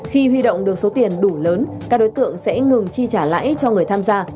khi huy động được số tiền đủ lớn các đối tượng sẽ ngừng chi trả lãi cho người tham gia